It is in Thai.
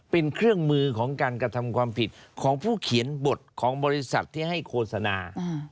เป็นเครื่องมือของการกระทำความผิดของผู้เขียนบทของบริษัทที่ให้โฆษณา